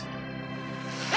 あ！